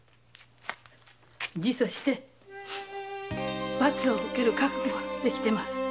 自訴して罰を受ける覚悟は出来てます。